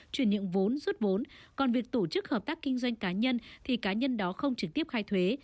chuyển nhượng vốn rút vốn còn việc tổ chức hợp tác kinh doanh cá nhân thì cá nhân đó không trực tiếp khai thuế